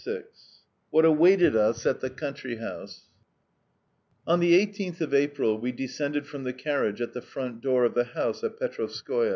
XXVI WHAT AWAITED US AT THE COUNTRY HOUSE On the 18th of April we descended from the carriage at the front door of the house at Petrovskoe.